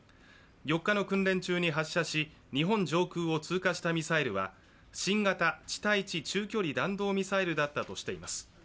４日の訓練中に発射し、日本上空を通過したミサイルは新型地対地中長距離弾道ミサイルだったとしています。